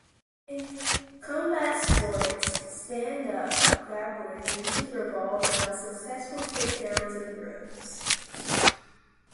In combat sports, stand-up grappling usually revolves around successful takedowns and throws.